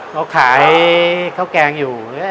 เขาขายข้าวแกงอยู่